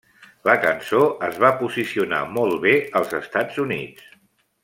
La cançó es va posicionar molt bé als Estats Units.